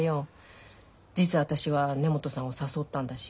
事実私は根本さんを誘ったんだし。